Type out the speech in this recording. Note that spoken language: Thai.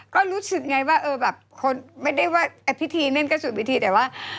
ก็รู้สึกไงว่าเออแบบคนไม่ได้ว่าพิธีนั่นก็สุดพิธีแต่ว่า